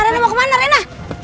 rena mau ke mana rena